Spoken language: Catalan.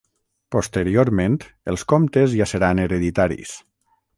Posteriorment els comtes ja seran hereditaris.